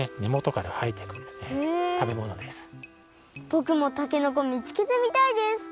ぼくもたけのこみつけてみたいです！